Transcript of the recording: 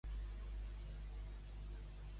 Per ell, aquest tema és captivador?